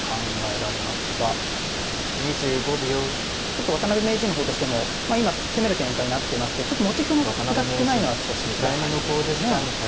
ちょっと渡辺名人の方としても今攻める展開になってますけどちょっと持ち歩が少ないのは少し気がかりですね。